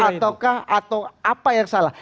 ataukah atau apa yang salah